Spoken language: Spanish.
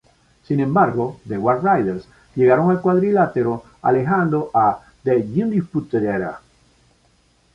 Sin embargo, The War Raiders llegaron al cuadrilátero, alejando a The Undisputed Era.